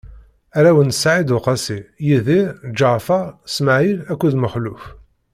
Arraw n Said Uqasi: Yidir, Ǧaɛfaṛ, Smaɛil akked Mexluf.